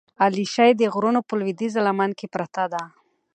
د علیشې د غرونو په لودیځه لمن کې پرته ده،